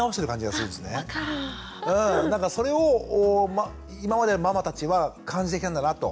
それを今までママたちは感じてきたんだなと。